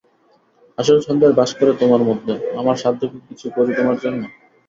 আসল শয়তান বাস করে তোমার মধ্যে, আমার সাধ্য কি কিছু করি তোমার জন্যে।